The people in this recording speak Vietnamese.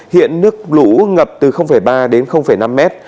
hiện nước lũ ngập từ ba đến năm mét